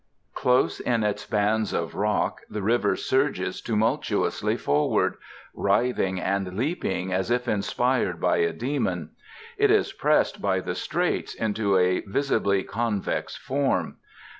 Close in its bands of rock the river surges tumultuously forward, writhing and leaping as if inspired by a demon. It is pressed by the straits into a visibly convex form.